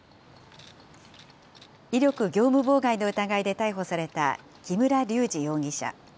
威力業務妨害の疑いで逮捕された木村隆二容疑者。